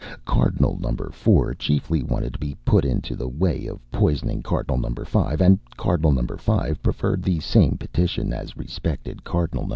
Cardinal No. 4 chiefly wanted to be put into the way of poisoning Cardinal No. 5; and Cardinal No. 5 preferred the same petition as respected Cardinal No.